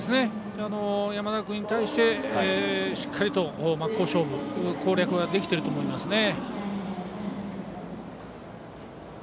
山田君に対してしっかりと真っ向勝負で攻略はできていると思いますね。